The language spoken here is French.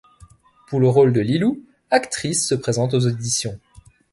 Pour le rôle de Leeloo, actrices se présentent aux auditions.